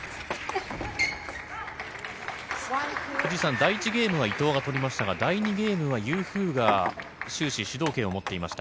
第１ゲームは伊藤が取りましたが、第２ゲームはユー・フーが終始主導権を持っていました。